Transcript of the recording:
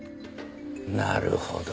なるほど。